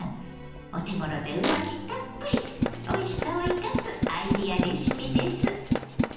お手ごろでうまみたっぷりおいしさを生かすアイデアレシピです。